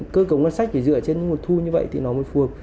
cơ cấu ngân sách phải dựa trên những nguồn thu như vậy thì nó mới phù hợp